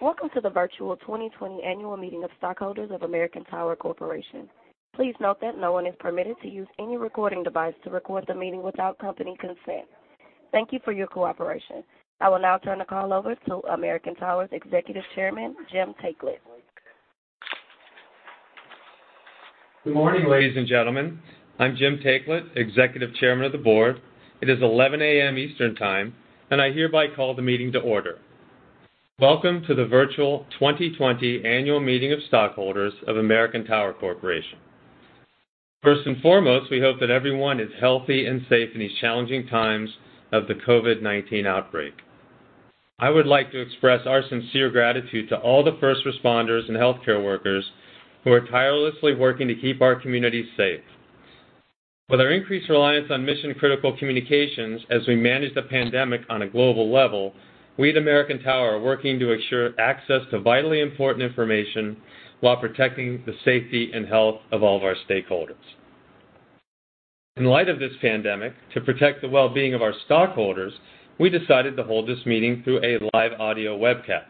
Welcome to the virtual 2020 annual meeting of stockholders of American Tower Corporation. Please note that no one is permitted to use any recording device to record the meeting without company consent. Thank you for your cooperation. I will now turn the call over to American Tower's Executive Chairman, Jim Taiclet. Good morning, ladies and gentlemen. I'm Jim Taiclet, Executive Chairman of the Board. It is 11:00 A.M. Eastern Time, and I hereby call the meeting to order. Welcome to the virtual 2020 annual meeting of stockholders of American Tower Corporation. First and foremost, we hope that everyone is healthy and safe in these challenging times of the COVID-19 outbreak. I would like to express our sincere gratitude to all the first responders and healthcare workers who are tirelessly working to keep our communities safe. With our increased reliance on mission-critical communications as we manage the pandemic on a global level, we at American Tower are working to ensure access to vitally important information while protecting the safety and health of all of our stakeholders. In light of this pandemic, to protect the well-being of our stockholders, we decided to hold this meeting through a live audio webcast.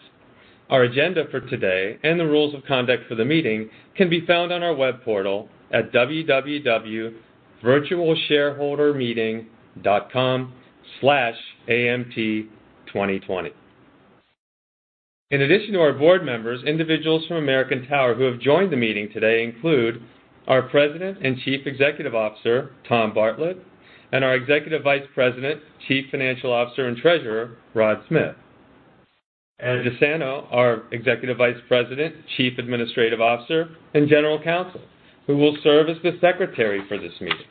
Our agenda for today and the rules of conduct for the meeting can be found on our web portal at www.virtualshareholdermeeting.com/American Tower2020. In addition to our board members, individuals from American Tower who have joined the meeting today include our President and Chief Executive Officer, Tom Bartlett, and our Executive Vice President, Chief Financial Officer, and Treasurer, Rod Smith. Ed DiSanto, our Executive Vice President, Chief Administrative Officer, and General Counsel, who will serve as the secretary for this meeting.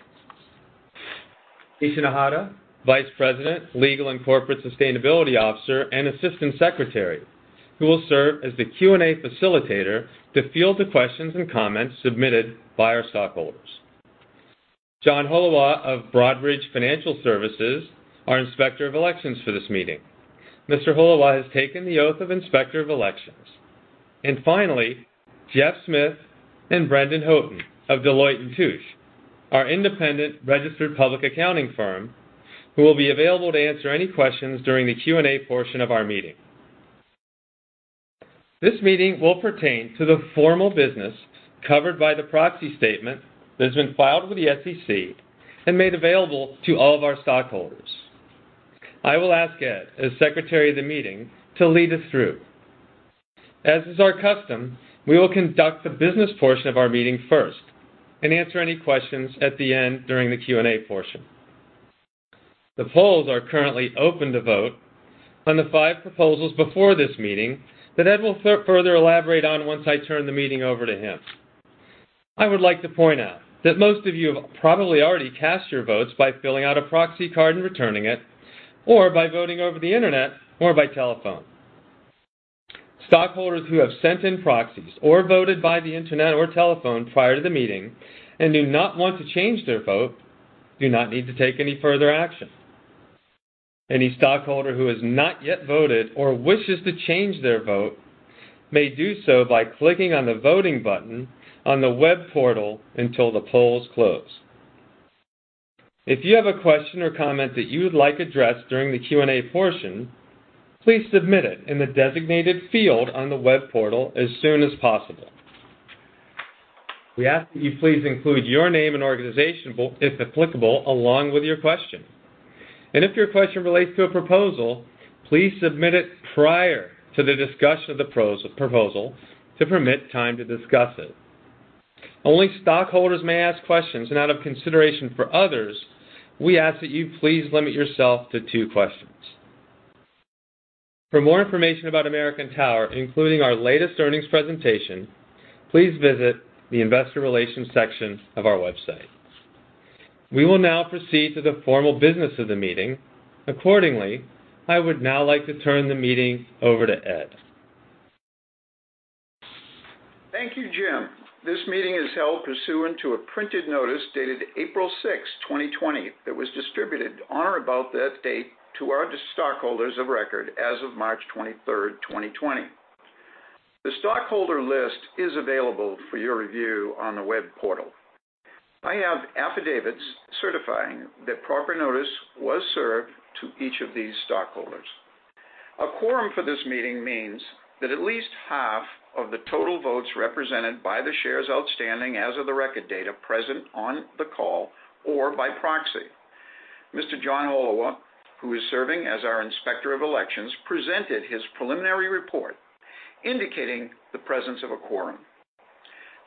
Isha H. Mehta, Vice President, Legal and Corporate Sustainability Officer, and Assistant Secretary, who will serve as the Q&A facilitator to field the questions and comments submitted by our stockholders. John Holowach of Broadridge Financial Solutions, our Inspector of Elections for this meeting. Mr. Holowach has taken the oath of Inspector of Elections. Finally, Jeff Smith and Brendan Houghton of Deloitte & Touche, our independent registered public accounting firm, who will be available to answer any questions during the Q&A portion of our meeting. This meeting will pertain to the formal business covered by the proxy statement that has been filed with the SEC and made available to all of our stockholders. I will ask Ed, as secretary of the meeting, to lead us through. As is our custom, we will conduct the business portion of our meeting first and answer any questions at the end during the Q&A portion. The polls are currently open to vote on the five proposals before this meeting that Ed will further elaborate on once I turn the meeting over to him. I would like to point out that most of you have probably already cast your votes by filling out a proxy card and returning it, or by voting over the Internet, or by telephone. Stockholders who have sent in proxies or voted by the Internet or telephone prior to the meeting and do not want to change their vote do not need to take any further action. Any stockholder who has not yet voted or wishes to change their vote may do so by clicking on the voting button on the web portal until the polls close. If you have a question or comment that you would like addressed during the Q&A portion, please submit it in the designated field on the web portal as soon as possible. We ask that you please include your name and organization, if applicable, along with your question. If your question relates to a proposal, please submit it prior to the discussion of the proposal to permit time to discuss it. Only stockholders may ask questions, and out of consideration for others, we ask that you please limit yourself to two questions. For more information about American Tower, including our latest earnings presentation, please visit the investor relations section of our website. We will now proceed to the formal business of the meeting. I would now like to turn the meeting over to Ed. Thank you, Jim. This meeting is held pursuant to a printed notice dated April 6, 2020, that was distributed on or about that date to our stockholders of record as of March 23, 2020. The stockholder list is available for your review on the web portal. I have affidavits certifying that proper notice was served to each of these stockholders. A quorum for this meeting means that at least half of the total votes represented by the shares outstanding as of the record date are present on the call or by proxy. Mr. John Holowach, who is serving as our Inspector of Elections, presented his preliminary report indicating the presence of a quorum.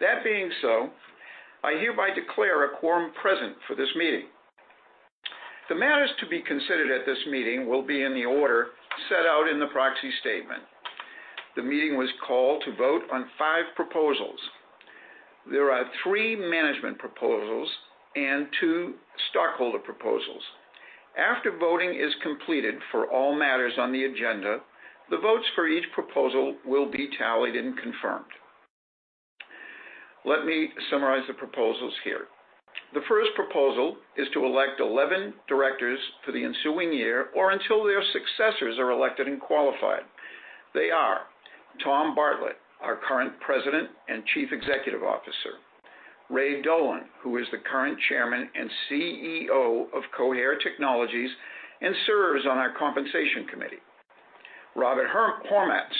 That being so, I hereby declare a quorum present for this meeting. The matters to be considered at this meeting will be in the order set out in the proxy statement. The meeting was called to vote on five proposals. There are three management proposals and two stockholder proposals. After voting is completed for all matters on the agenda, the votes for each proposal will be tallied and confirmed. Let me summarize the proposals here. The first proposal is to elect 11 directors for the ensuing year or until their successors are elected and qualified. They are Tom Bartlett, our current President and Chief Executive Officer. Ray Dolan, who is the current Chairman and Chief Executive Officer of Cohere Technologies and serves on our Compensation Committee. Robert Hormats,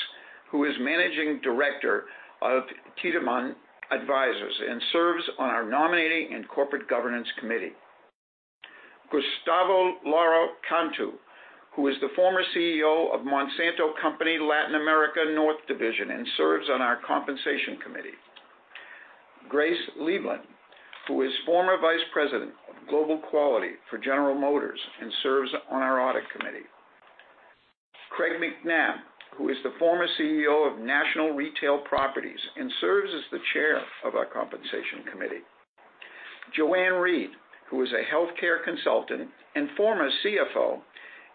who is Managing Director of Tiedemann Advisors and serves on our Nominating and Corporate Governance Committee. Gustavo Lara Cantu, who is the former CEO of Monsanto Company, Latin America North Division, and serves on our Compensation Committee. Grace Lieblein, who is former Vice President of Global Quality for General Motors and serves on our Audit Committee. Craig Macnab, who is the former Chief Executive Officer of National Retail Properties, Inc. and serves as the Chair of our Compensation Committee. JoAnn Reed, who is a healthcare consultant and former Chief Financial Officer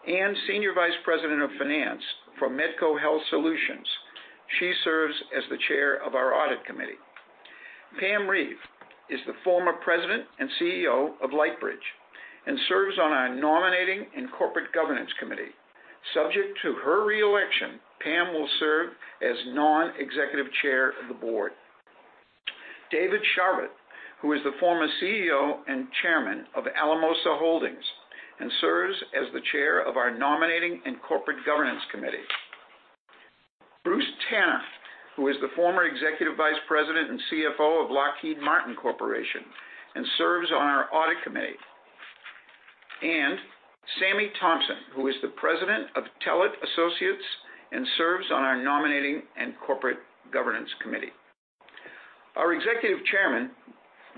and Senior Vice President of Finance for Medco Health Solutions, Inc. She serves as the Chair of our Audit Committee. Pamela Reeve is the former President and Chief Executive Officer of Lightbridge, Inc. and serves on our Nominating and Corporate Governance Committee. Subject to her reelection, Pamela will serve as Non-Executive Chair of the Board. David Sharbutt, who is the former Chief Executive Officer and Chairman of Alamosa Holdings, Inc. and serves as the Chair of our Nominating and Corporate Governance Committee. Bruce Tanner, who is the former Executive Vice President and Chief Financial Officer of Lockheed Martin Corporation and serves on our Audit Committee. Samme Thompson, who is the President of Telit Associates and serves on our Nominating and Corporate Governance Committee. Our Executive Chairman,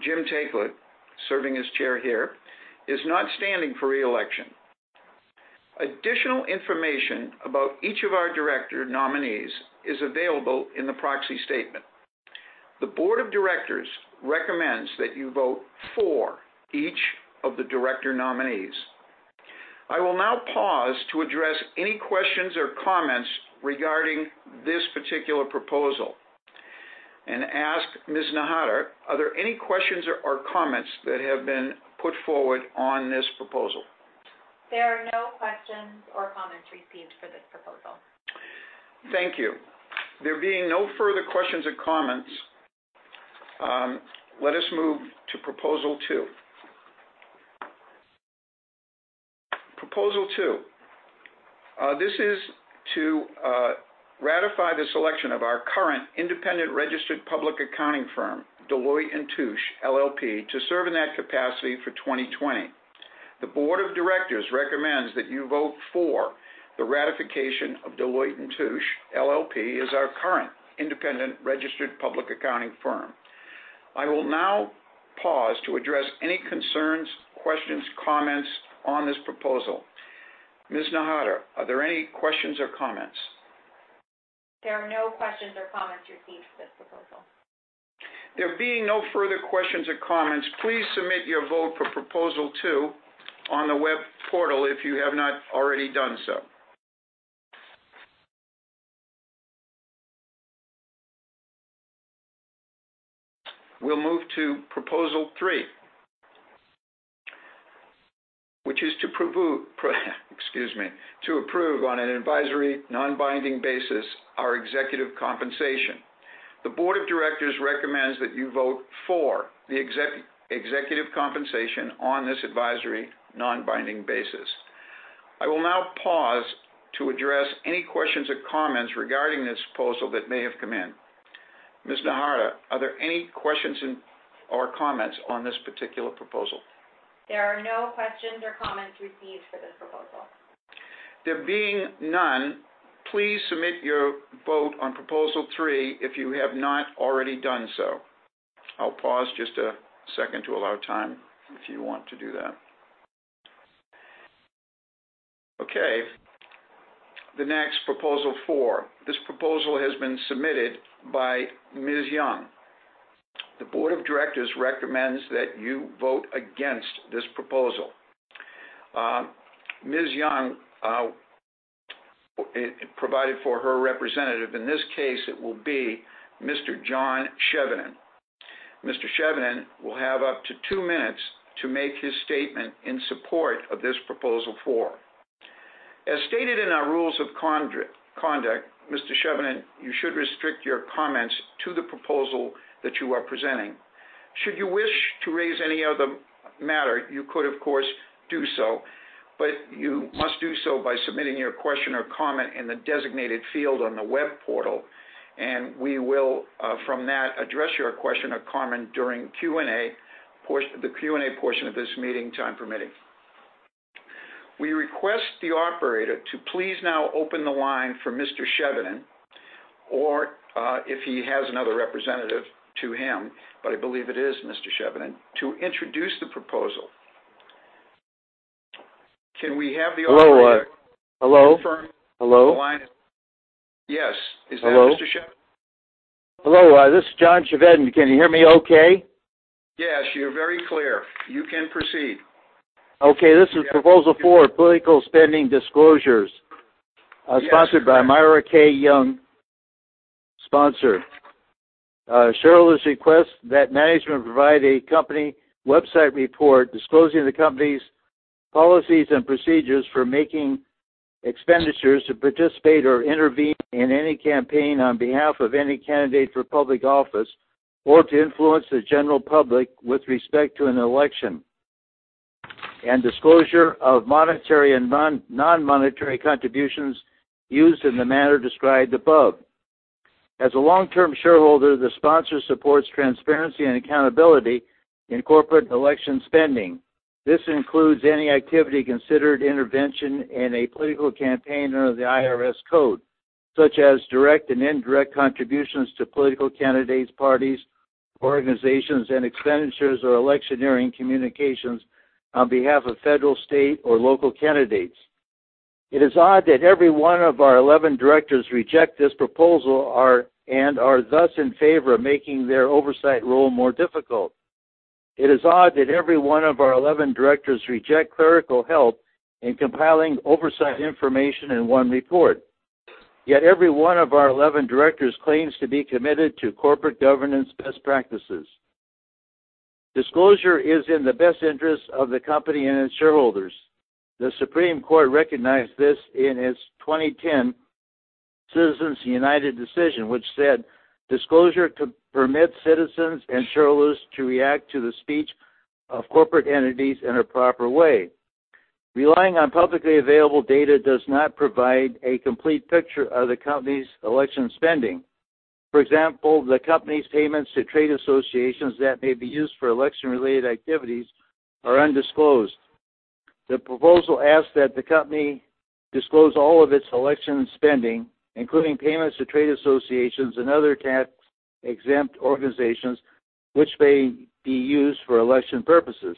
Jim Taiclet, serving as chair here, is not standing for reelection. Additional information about each of our director nominees is available in the proxy statement. The board of directors recommends that you vote for each of the director nominees. I will now pause to address any questions or comments regarding this particular proposal and ask Ms. Mehta, are there any questions or comments that have been put forward on this proposal? There are no questions or comments received for this proposal. Thank you. There being no further questions or comments, let us move to proposal two. Proposal two. This is to ratify the selection of our current independent registered public accounting firm, Deloitte & Touche LLP, to serve in that capacity for 2020. The board of directors recommends that you vote for the ratification of Deloitte & Touche LLP as our current independent registered public accounting firm. I will now pause to address any concerns, questions, comments on this proposal. Ms. Mehta, are there any questions or comments? There are no questions or comments received for this proposal. There being no further questions or comments, please submit your vote for proposal 2 on the web portal if you have not already done so. We'll move to proposal 3, which is to approve on an advisory, non-binding basis our executive compensation. The board of directors recommends that you vote for the executive compensation on this advisory non-binding basis. I will now pause to address any questions or comments regarding this proposal that may have come in. Ms. Nahata, are there any questions or comments on this particular proposal? There are no questions or comments received for this proposal. There being none, please submit your vote on proposal three if you have not already done so. I'll pause just a second to allow time if you want to do that. Okay. The next, proposal four. This proposal has been submitted by Ms. Young. The board of directors recommends that you vote against this proposal. Ms. Young provided for her representative. In this case, it will be Mr. John Chevedden. Mr. Chevedden will have up to two minutes to make his statement in support of this proposal four. As stated in our rules of conduct, Mr. Chevedden, you should restrict your comments to the proposal that you are presenting. Should you wish to raise any other matter, you could, of course, do so, but you must do so by submitting your question or comment in the designated field on the web portal, and we will, from that, address your question or comment during the Q&A portion of this meeting, time permitting. We request the operator to please now open the line for Mr. Chevedden, or if he has another representative to him, but I believe it is Mr. Chevedden, to introduce the proposal. Can we have the operator. Hello? Confirm. Hello? The line is Yes. Is that Mr. Chevedden? Hello. This is John Chevedden. Can you hear me okay? Yes, you're very clear. You can proceed. Okay. This is proposal 4, political spending disclosures. Yes sponsored by Myra K. Young, sponsor. Shareholders request that management provide a company website report disclosing the company's policies and procedures for making expenditures to participate or intervene in any campaign on behalf of any candidate for public office, or to influence the general public with respect to an election, and disclosure of monetary and non-monetary contributions used in the manner described above. As a long-term shareholder, the sponsor supports transparency and accountability in corporate election spending. This includes any activity considered intervention in a political campaign under the IRS code, such as direct and indirect contributions to political candidates, parties, organizations, and expenditures or electioneering communications on behalf of federal, state, or local candidates. It is odd that every one of our 11 directors reject this proposal and are thus in favor of making their oversight role more difficult. It is odd that every one of our 11 directors reject clerical help in compiling oversight information in one report, yet every one of our 11 directors claims to be committed to corporate governance best practices. Disclosure is in the best interest of the company and its shareholders. The Supreme Court recognized this in its 2010 Citizens United decision, which said disclosure could permit citizens and shareholders to react to the speech of corporate entities in a proper way. Relying on publicly available data does not provide a complete picture of the company's election spending. For example, the company's payments to trade associations that may be used for election-related activities are undisclosed. The proposal asks that the company disclose all of its election spending, including payments to trade associations and other tax-exempt organizations which may be used for election purposes.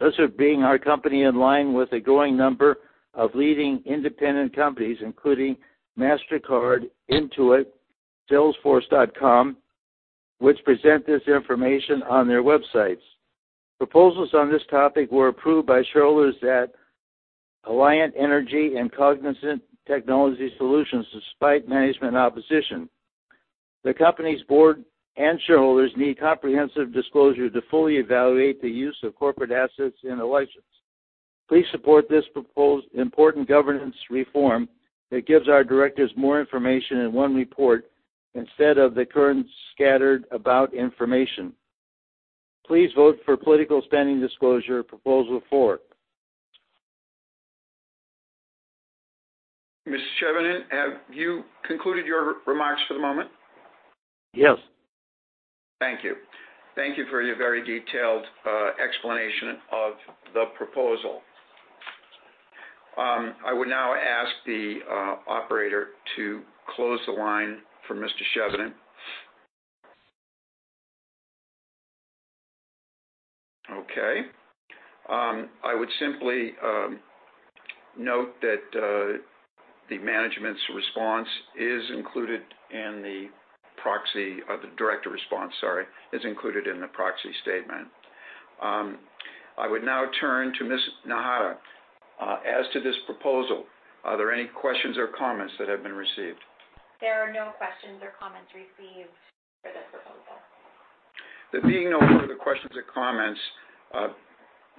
Thus would bring our company in line with a growing number of leading independent companies, including Mastercard, Intuit, Salesforce.com, which present this information on their websites. Proposals on this topic were approved by shareholders at Alliant Energy and Cognizant Technology Solutions despite management opposition. The company's board and shareholders need comprehensive disclosure to fully evaluate the use of corporate assets in elections. Please support this important governance reform that gives our directors more information in one report instead of the current scattered about information. Please vote for political spending disclosure Proposal Four. Mr. Chevedden, have you concluded your remarks for the moment? Yes. Thank you. Thank you for your very detailed explanation of the proposal. I would now ask the operator to close the line for Mr. Chevedden. Okay. I would simply note that the director's response is included in the proxy statement. I would now turn to Ms. Nahata. As to this proposal, are there any questions or comments that have been received? There are no questions or comments received for this proposal. There being no further questions or comments,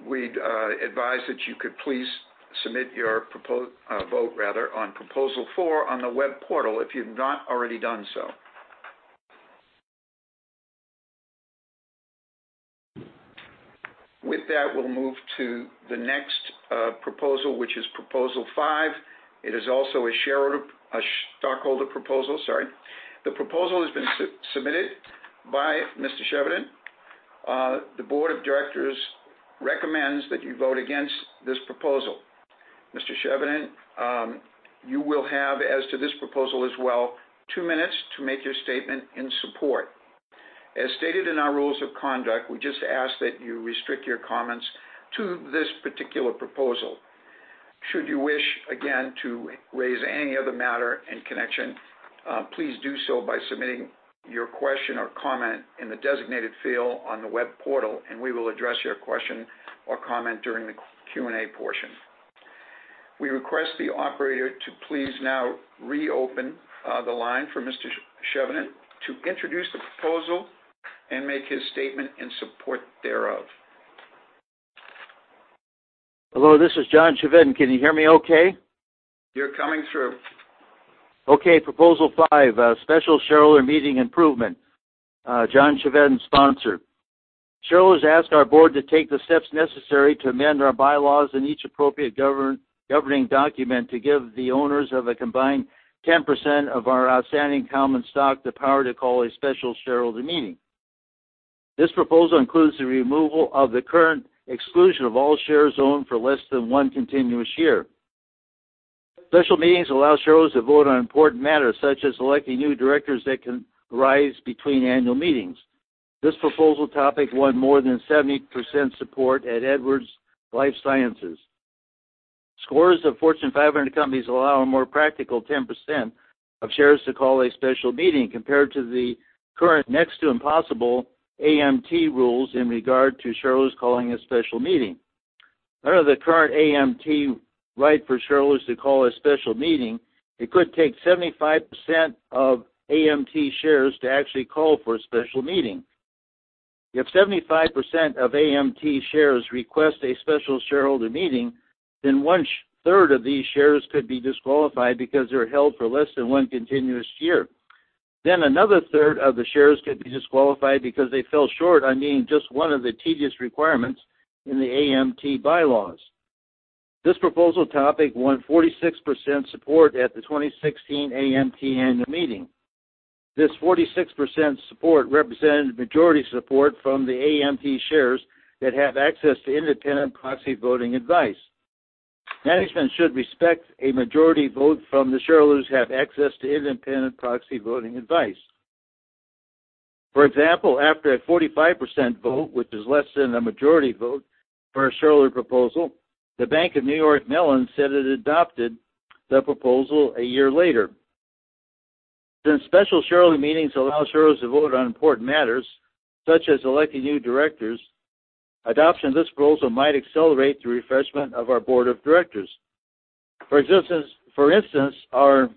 we'd advise that you could please submit your vote on Proposal Four on the web portal if you've not already done so. With that, we'll move to the next proposal, which is Proposal Five. It is also a stockholder proposal, sorry. The proposal has been submitted by Mr. Chevedden. The board of directors recommends that you vote against this proposal. Mr. Chevedden, you will have, as to this proposal as well, two minutes to make your statement in support. As stated in our rules of conduct, we just ask that you restrict your comments to this particular proposal. Should you wish, again, to raise any other matter in connection, please do so by submitting your question or comment in the designated field on the web portal, and we will address your question or comment during the Q&A portion. We request the operator to please now reopen the line for Mr. Chevedden to introduce the proposal and make his statement in support thereof. Hello, this is John Chevedden. Can you hear me okay? You're coming through. Okay, Proposal 5, special shareholder meeting improvement. John Chevedden, sponsor. Shareholders ask our board to take the steps necessary to amend our bylaws in each appropriate governing document to give the owners of a combined 10% of our outstanding common stock the power to call a special shareholder meeting. This proposal includes the removal of the current exclusion of all shares owned for less than one continuous year. Special meetings allow shareholders to vote on important matters such as electing new directors that can rise between annual meetings. This proposal topic won more than 70% support at Edwards Lifesciences. Scores of Fortune 500 companies allow a more practical 10% of shares to call a special meeting compared to the current next to impossible American Tower rules in regard to shareholders calling a special meeting. Under the current American Tower right for shareholders to call a special meeting, it could take 75% of American Tower shares to actually call for a special meeting. If 75% of American Tower shares request a special shareholder meeting, then one-third of these shares could be disqualified because they're held for less than one continuous year. Another third of the shares could be disqualified because they fell short on meeting just one of the tedious requirements in the American Tower bylaws. This proposal topic won 46% support at the 2016 American Tower annual meeting. This 46% support represented majority support from the American Tower shares that have access to independent proxy voting advice. Management should respect a majority vote from the shareholders who have access to independent proxy voting advice. For example, after a 45% vote, which is less than a majority vote for a shareholder proposal, The Bank of New York Mellon said it adopted the proposal a year later. Since special shareholder meetings allow shareholders to vote on important matters, such as electing new directors, adoption of this proposal might accelerate the refreshment of our board of directors. For instance, our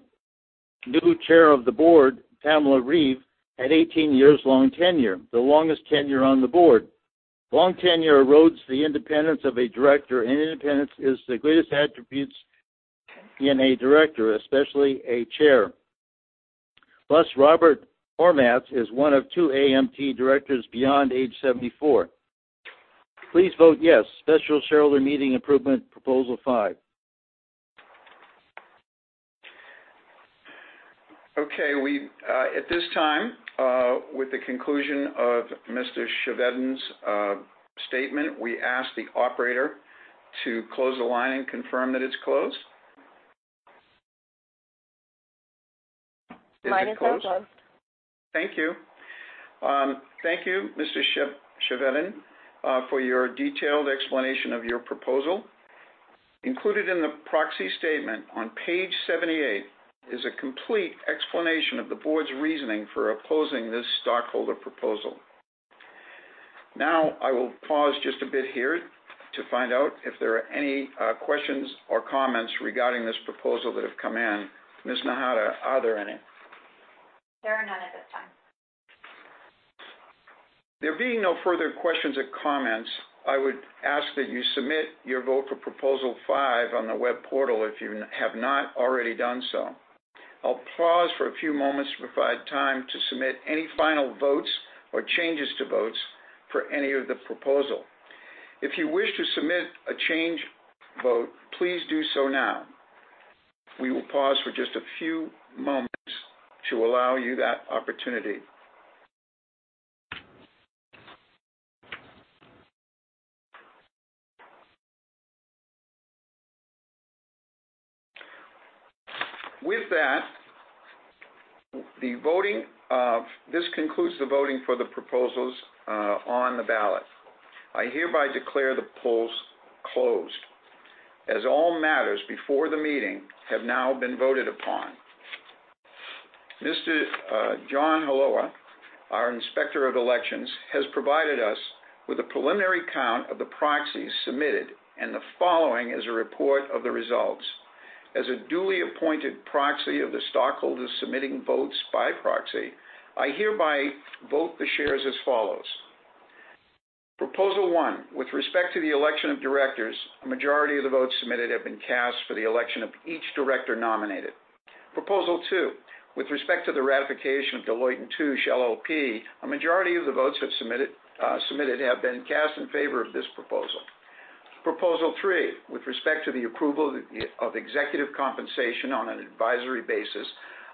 new chair of the board, Pamela Reeve, had 18 years long tenure, the longest tenure on the board. Long tenure erodes the independence of a director, and independence is the greatest attributes in a director, especially a chair. Robert Hormats is one of two American Tower directors beyond age 74. Please vote yes, Special Shareholder Meeting Improvement, Proposal Five. Okay. At this time, with the conclusion of Mr. Chevedden's statement, we ask the operator to close the line and confirm that it's closed. Is it closed? Line is now closed. Thank you. Thank you, Mr. Chevedden, for your detailed explanation of your proposal. Included in the proxy statement on page 78 is a complete explanation of the board's reasoning for opposing this stockholder proposal. Now, I will pause just a bit here to find out if there are any questions or comments regarding this proposal that have come in. Ms. Nahata, are there any? There are none at this time. There being no further questions or comments, I would ask that you submit your vote for Proposal Five on the web portal if you have not already done so. I'll pause for a few moments to provide time to submit any final votes or changes to votes for any of the proposal. If you wish to submit a change vote, please do so now. We will pause for just a few moments to allow you that opportunity. This concludes the voting for the proposals on the ballot. I hereby declare the polls closed as all matters before the meeting have now been voted upon. Mr. John Holowach, our Inspector of Elections, has provided us with a preliminary count of the proxies submitted. The following is a report of the results. As a duly appointed proxy of the stockholders submitting votes by proxy, I hereby vote the shares as follows. Proposal One, with respect to the election of directors, a majority of the votes submitted have been cast for the election of each director nominated. Proposal Two, with respect to the ratification of Deloitte & Touche LLP, a majority of the votes submitted have been cast in favor of this proposal. Proposal Three, with respect to the approval of executive compensation on an advisory basis,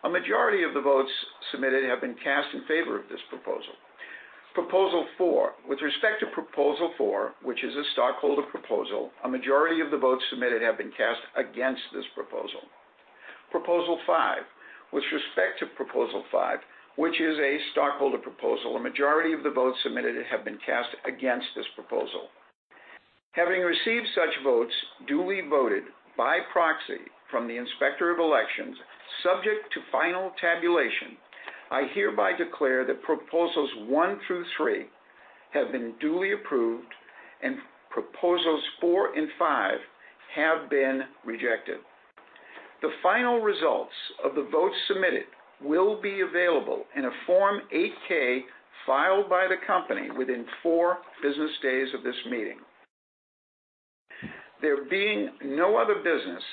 a majority of the votes submitted have been cast in favor of this proposal. Proposal Four, with respect to Proposal Four, which is a stockholder proposal, a majority of the votes submitted have been cast against this proposal. Proposal Five, with respect to Proposal Five, which is a stockholder proposal, a majority of the votes submitted have been cast against this proposal. Having received such votes duly voted by proxy from the Inspector of Elections, subject to final tabulation, I hereby declare that Proposals 1 through 3 have been duly approved and Proposals 4 and 5 have been rejected. The final results of the votes submitted will be available in a Form 8-K filed by the company within four business days of this meeting. There being no other business,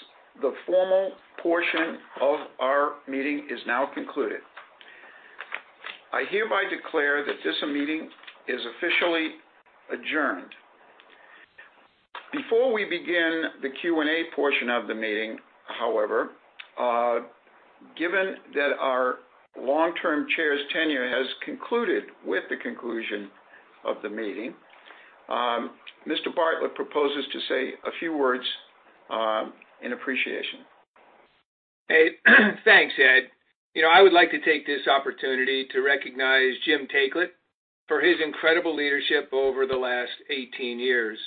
the formal portion of our meeting is now concluded. I hereby declare that this meeting is officially adjourned. Before we begin the Q&A portion of the meeting, however, given that our long-term chair's tenure has concluded with the conclusion of the meeting, Mr. Bartlett proposes to say a few words in appreciation. Hey, thanks, Ed. I would like to take this opportunity to recognize Jim Taiclet for his incredible leadership over the last 18 years.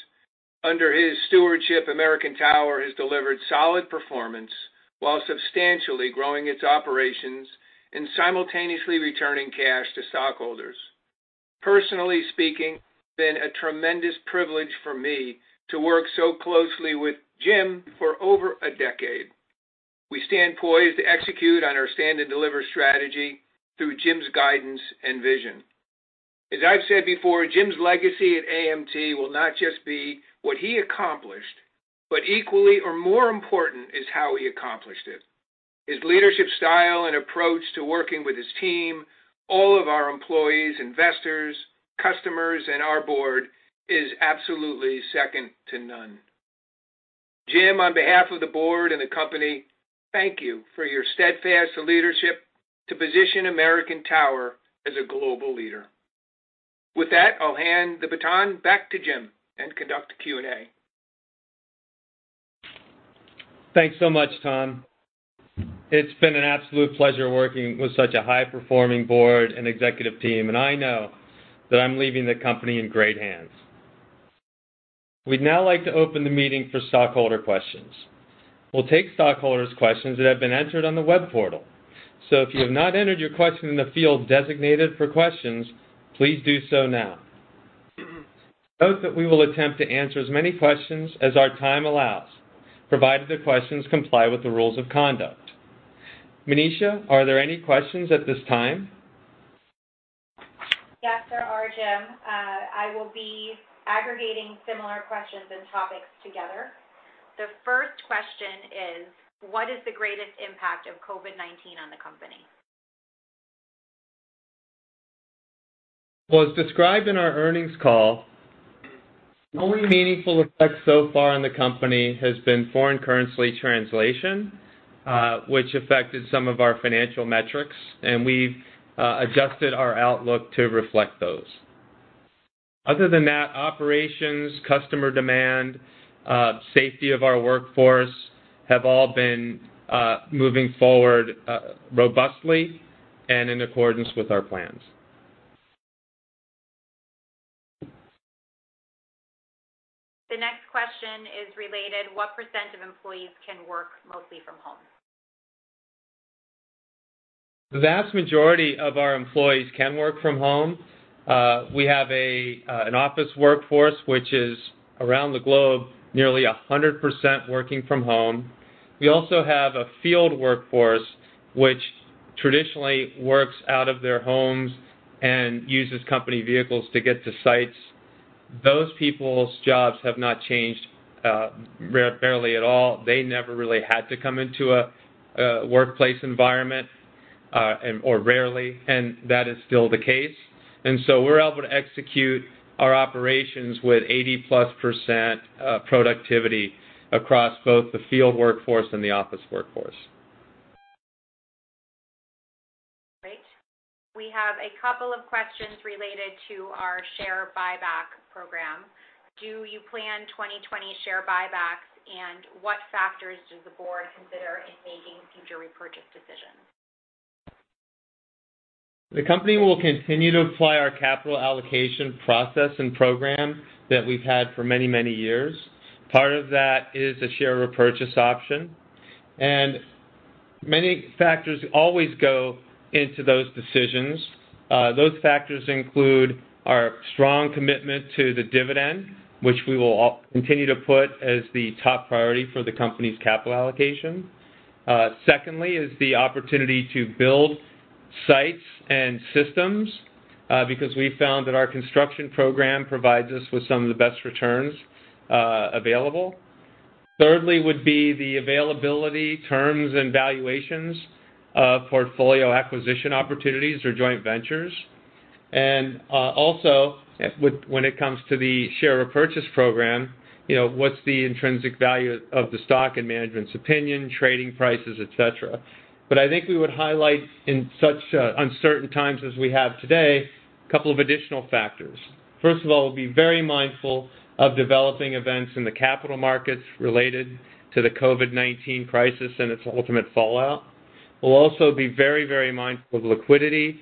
Under his stewardship, American Tower has delivered solid performance while substantially growing its operations and simultaneously returning cash to stockholders. Personally speaking, it's been a tremendous privilege for me to work so closely with Jim for over a decade. We stand poised to execute on our stand-and-deliver strategy through Jim's guidance and vision. As I've said before, Jim's legacy at American Tower will not just be what he accomplished, but equally or more important is how he accomplished it. His leadership style and approach to working with his team, all of our employees, investors, customers, and our board is absolutely second to none. Jim, on behalf of the board and the company, thank you for your steadfast leadership to position American Tower as a global leader. With that, I'll hand the baton back to Jim and conduct a Q&A. Thanks so much, Tom. It's been an absolute pleasure working with such a high-performing board and executive team. I know that I'm leaving the company in great hands. We'd now like to open the meeting for stockholder questions. We'll take stockholders' questions that have been entered on the web portal. If you have not entered your question in the field designated for questions, please do so now. Note that we will attempt to answer as many questions as our time allows, provided the questions comply with the rules of conduct. Isha, are there any questions at this time? Yes, there are, Jim. I will be aggregating similar questions and topics together. The first question is, what is the greatest impact of COVID-19 on the company? Well, as described in our earnings call, the only meaningful effect so far on the company has been foreign currency translation, which affected some of our financial metrics, and we've adjusted our outlook to reflect those. Other than that, operations, customer demand, safety of our workforce have all been moving forward robustly and in accordance with our plans. The next question is related. What % of employees can work mostly from home? The vast majority of our employees can work from home. We have an office workforce which is, around the globe, nearly 100% working from home. We also have a field workforce, which traditionally works out of their homes and uses company vehicles to get to sites. Those people's jobs have not changed barely at all. They never really had to come into a workplace environment, or rarely, and that is still the case. We're able to execute our operations with 80+% productivity across both the field workforce and the office workforce. Great. We have a couple of questions related to our share buyback program. Do you plan 2020 share buybacks, and what factors does the board consider in making future repurchase decisions? The company will continue to apply our capital allocation process and program that we've had for many, many years. Part of that is the share repurchase option, and many factors always go into those decisions. Those factors include our strong commitment to the dividend, which we will continue to put as the top priority for the company's capital allocation. Secondly is the opportunity to build sites and systems because we found that our construction program provides us with some of the best returns available. Thirdly would be the availability, terms, and valuations of portfolio acquisition opportunities or joint ventures, and also, when it comes to the share repurchase program, what's the intrinsic value of the stock in management's opinion, trading prices, et cetera. I think we would highlight in such uncertain times as we have today, a couple of additional factors. First of all, we'll be very mindful of developing events in the capital markets related to the COVID-19 crisis and its ultimate fallout. We'll also be very mindful of liquidity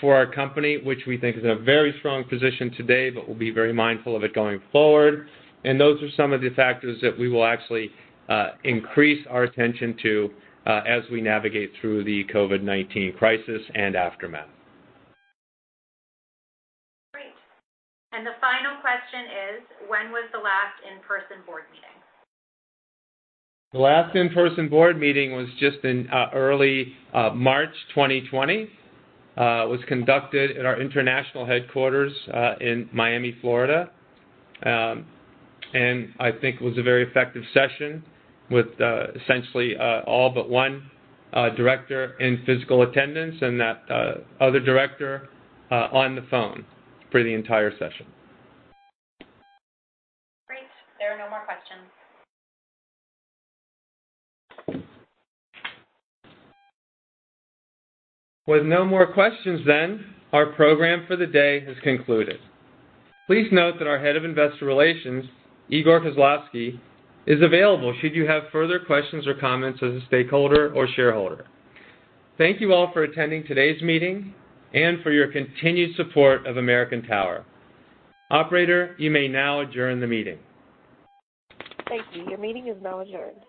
for our company, which we think is in a very strong position today, but we'll be very mindful of it going forward. Those are some of the factors that we will actually increase our attention to as we navigate through the COVID-19 crisis and aftermath. Great. The final question is, when was the last in-person board meeting? The last in-person board meeting was just in early March 2020. It was conducted at our international headquarters in Miami, Florida. I think it was a very effective session with essentially all but one director in physical attendance and that other director on the phone for the entire session. Great. There are no more questions. With no more questions, our program for the day has concluded. Please note that our Head of Investor Relations, Igor Khislavsky, is available should you have further questions or comments as a stakeholder or shareholder. Thank you all for attending today's meeting and for your continued support of American Tower. Operator, you may now adjourn the meeting. Thank you. Your meeting is now adjourned.